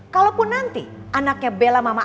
walaupun nanti anaknya bella mama